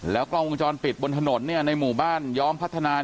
กล้องวงจรปิดบนถนนในหมู่บ้านย้อมพัฒนา